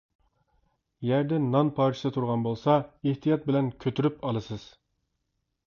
يەردە نان پارچىسى تۇرغان بولسا، ئېھتىيات بىلەن كۆتۈرۈپ ئالىسىز.